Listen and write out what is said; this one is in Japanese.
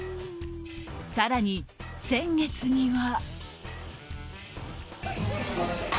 更に、先月には。